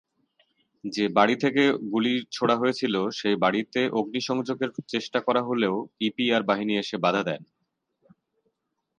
যে বাড়ি থেকে গুলি ছোড়া হয়েছিল সেই বাড়িতে অগ্নিসংযোগের চেষ্টা করা হলেও ইপিআর বাহিনী এসে বাঁধা দেন।